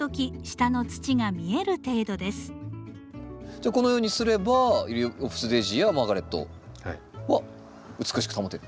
じゃあこのようにすればユリオプスデージーやマーガレットは美しく保てる。